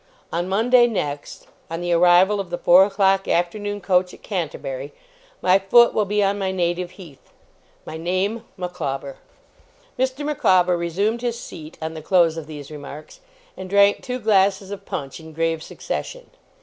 On Monday next, on the arrival of the four o'clock afternoon coach at Canterbury, my foot will be on my native heath my name, Micawber!' Mr. Micawber resumed his seat on the close of these remarks, and drank two glasses of punch in grave succession.